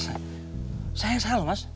saya yang salah mas